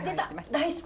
大好き。